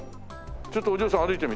ちょっとお嬢さん歩いてみて。